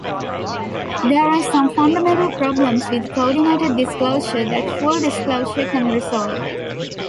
There are some fundamental problems with coordinated disclosure that full disclosure can resolve.